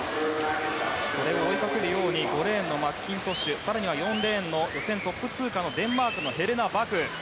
それを追いかけるように５レーンのマッキントッシュ更には４レーンの予選トップ通過のデンマークのヘレナ・バク。